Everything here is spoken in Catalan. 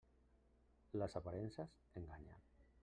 Les aparences enganyen.